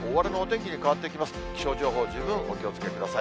気象情報、十分お気をつけください。